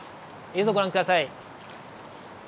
映像ご覧ください。